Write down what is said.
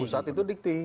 pusat itu dikti